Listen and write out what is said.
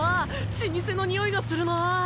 老舗のにおいがするなぁ。